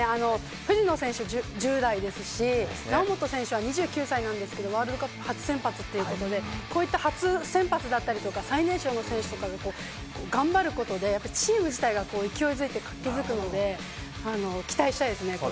藤野選手１０代ですし、猶本選手は２９歳ですけれど、ワールドカップ初先発ということで、こういった初先発だとか最年少の選手が、頑張ることで、チーム自体が勢いづいて活気づくので、期待したいですね。